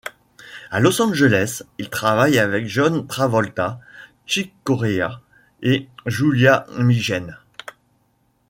À Los Angeles, il travaille avec John Travolta, Chick Corea et Julia Migenes.